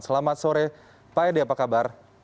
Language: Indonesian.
selamat sore pak edi apa kabar